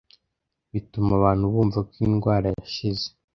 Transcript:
bituma abantu bumva ko indwara yashize.